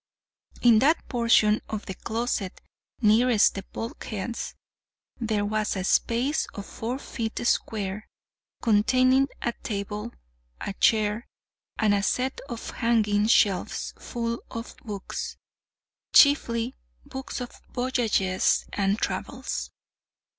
In that portion of the closet nearest the bulkheads there was a space of four feet square, containing a table, a chair, and a set of hanging shelves full of books, chiefly books of voyages and travels.